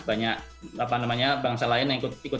banyak bangsa lain yang ikut